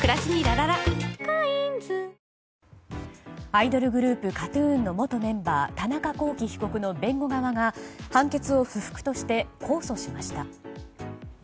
アイドルグループＫＡＴ‐ＴＵＮの元メンバー田中聖被告の弁護側が判決を不服として控訴しました。